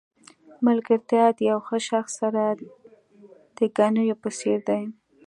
ملګرتیا د یو ښه شخص سره د ګنیو په څېر ده.